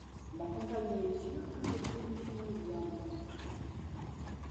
La compagnie assure que cette solution est viable.